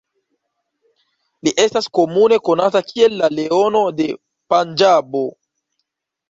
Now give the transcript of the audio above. Li estas komune konata kiel la "Leono de Panĝabo".